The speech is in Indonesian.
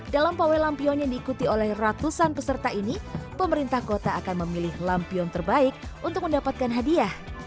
dalam pawai lampion yang diikuti oleh ratusan peserta ini pemerintah kota akan memilih lampion terbaik untuk mendapatkan hadiah